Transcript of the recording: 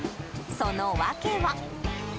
その訳は。